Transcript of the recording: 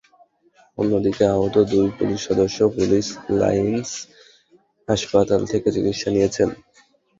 অন্যদিকে আহত দুই পুলিশ সদস্য পুলিশ লাইনস হাসপাতাল থেকে চিকিৎসা নিয়েছেন।